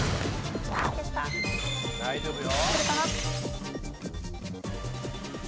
大丈夫よ。